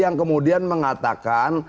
yang kemudian mengatakan